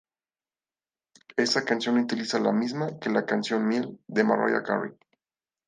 Esa canción utiliza la misma que la canción "Miel" de Mariah Carey.